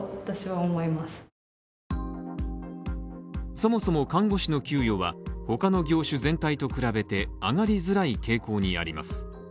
そもそも看護師の給与は他の業種全体と比べて上がりづらい傾向にあります。